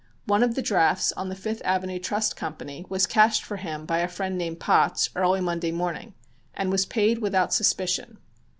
One of the drafts on the Fifth Avenue Trust Company was cashed for him by a friend named Potts early Monday morning, and was paid without suspicion.